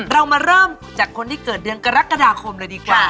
เรามาเริ่มจากคนที่เกิดเดือนกรกฎาคมเลยดีกว่า